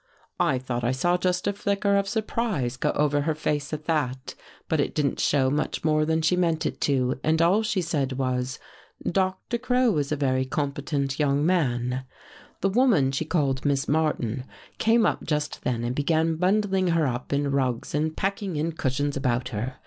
" I thought I saw just a flicker of surprise go 173 THE GHOST GIRL over her face at that, but it didn't show much more than she meant it to, and all she said was :"' Doctor Crow is a very competent young man.' " The woman she called Miss Martin came up just then and began bundling her up in rugs and packing in cushions about her.